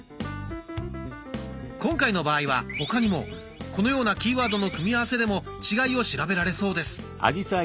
今回の場合は他にもこのようなキーワードの組み合わせでも違いを調べられそうです。